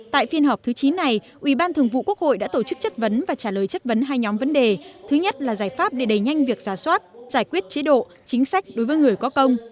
tại phiên họp thứ chín này ủy ban thường vụ quốc hội đã tổ chức chất vấn và trả lời chất vấn hai nhóm vấn đề thứ nhất là giải pháp để đẩy nhanh việc giả soát giải quyết chế độ chính sách đối với người có công